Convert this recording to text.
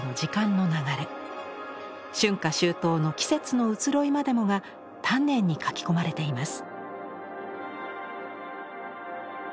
春夏秋冬の季節の移ろいまでもが丹念に描き込まれています。